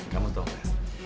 kamu dong ya